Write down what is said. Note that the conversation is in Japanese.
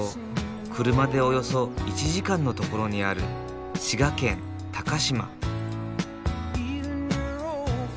車でおよそ１時間の所にある滋賀県高島。